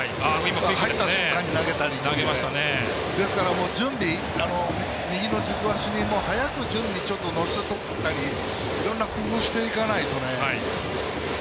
入った瞬間に入ったりとか準備、右の軸足に早く乗せていったりいろんな工夫していかないとね。